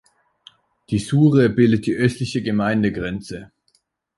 Die Suhre bildet die östliche Gemeindegrenze.